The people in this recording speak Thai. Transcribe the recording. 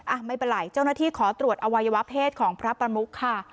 ไม่เป็นไรเจ้าหน้าที่ขอตรวจอวัยวะเพศของพระประมุกค่ะ